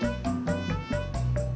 emangnya ada jok